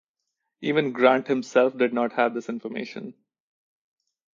Even Grant himself did not have this information.